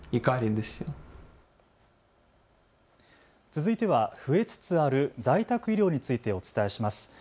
続いては増えつつある在宅医療についてお伝えします。